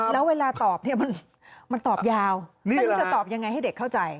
แล้วเวลาตอบมันตอบยาวจะตอบยังไงให้เด็กเข้าใจ